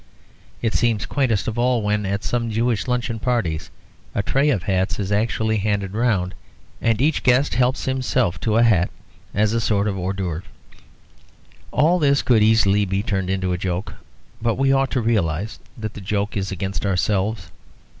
It seems quaintest of all when, at some Jewish luncheon parties, a tray of hats is actually handed round, and each guest helps himself to a hat as a sort of hors d'oeuvre. All this could easily be turned into a joke; but we ought to realise that the joke is against ourselves.